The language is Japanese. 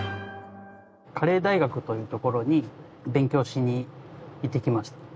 カレー大學という所に勉強しに行ってきました。